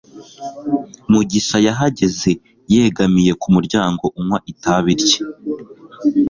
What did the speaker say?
mugisha yahagaze yegamiye ku muryango unywa itabi rye